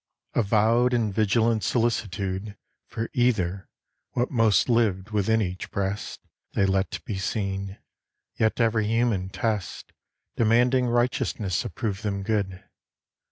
Avowed in vigilant solicitude For either, what most lived within each breast They let be seen: yet every human test Demanding righteousness approved them good.